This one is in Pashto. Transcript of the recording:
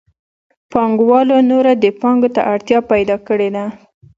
پانګوالو نوره دې پانګې ته اړتیا پیدا کړې ده